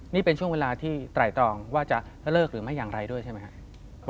นี่เป็นช่วงเวลาที่ไตรตรองว่าจะเลิกหรือไม่อย่างไรด้วยใช่ไหมครับ